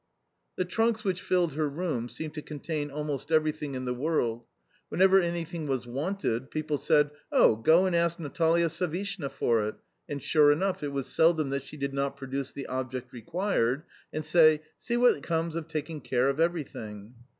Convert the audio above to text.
The trunks which filled her room seemed to contain almost everything in the world. Whenever anything was wanted, people said, "Oh, go and ask Natalia Savishna for it," and, sure enough, it was seldom that she did not produce the object required and say, "See what comes of taking care of everything!"